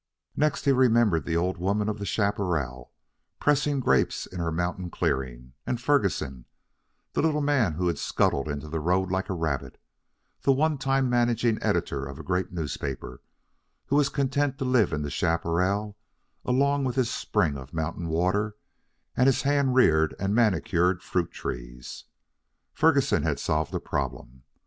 Next he remembered the old woman of the chaparral, pressing grapes in her mountain clearing; and Ferguson, the little man who had scuttled into the road like a rabbit, the one time managing editor of a great newspaper, who was content to live in the chaparral along with his spring of mountain water and his hand reared and manicured fruit trees. Ferguson had solved a problem.